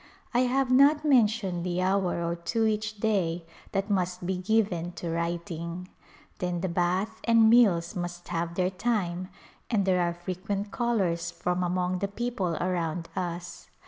I have not mentioned the hour or two each day that must be given to writing ; then the bath and meals must have their time and there are frequent callers from among the people around us.